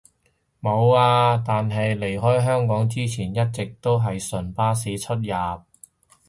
無呀，但係離開香港之前一直都係純巴士出入